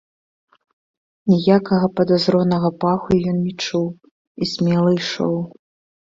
Ніякага падазронага паху ён не чуў і смела ішоў.